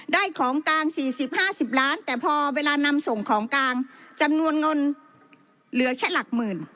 ของกลาง๔๐๕๐ล้านแต่พอเวลานำส่งของกลางจำนวนเงินเหลือแค่หลักหมื่น